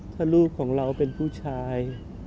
ถ้าลูกของเราเป็นผู้ชาย